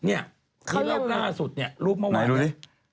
เนี่ยที่รอบหน้าสุดนี่รูปเมื่อวานนี่